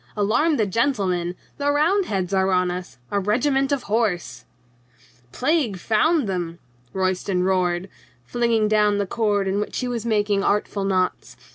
Alarm the gentlemen ! The Roundheads are on us ! A regiment of horse !" "Plague 'found them !" Royston roared, flinging down the cord in which he was making artful knots.